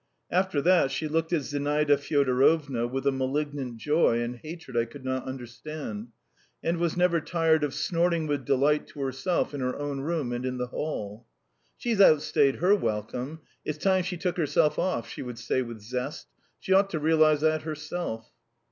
After that, she looked at Zinaida Fyodorovna with a malignant joy and hatred I could not understand, and was never tired of snorting with delight to herself in her own room and in the hall. "She's outstayed her welcome; it's time she took herself off!" she would say with zest. "She ought to realise that herself.